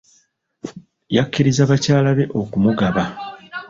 Yakkiriza bakyala be okumugaba.